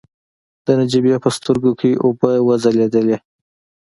د نجيبې په سترګو کې اوبه وځلېدلې.